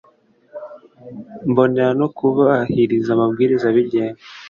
mbonera no kubahiriza amabwiriza abigenga